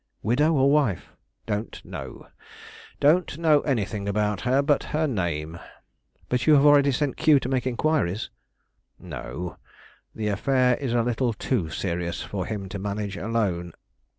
"Widow or wife?" "Don't know; don't know anything about her but her name." "But you have already sent Q to make inquiries?" "No; the affair is a little too serious for him to manage alone.